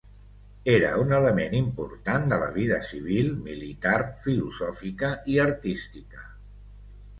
Era un element important de la vida civil, militar, filosòfica i artística.